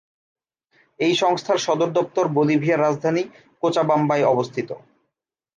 এই সংস্থার সদর দপ্তর বলিভিয়ার রাজধানী কোচাবাম্বায় অবস্থিত।